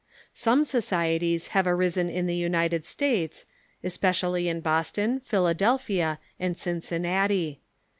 Some societies have arisen in the United States, especially in Boston, Philadelphia, and Cincinnati.